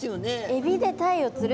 「海老で鯛を釣る」。